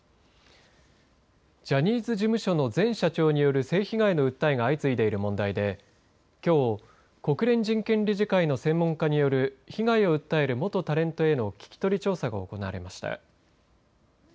ジャニーズ事務所の前社長による性被害の訴えが相次いでいる問題できょう国連人権理事会の専門家による被害を訴える元タレントへの聞き取り調査が行われました。